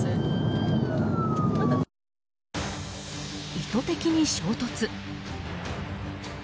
意図的に衝突。